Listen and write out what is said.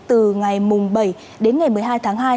từ ngày bảy đến ngày một mươi hai tháng hai